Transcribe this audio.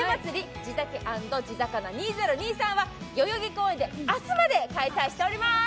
地酒＆地肴２０２３は代々木公園で明日まで開催しております。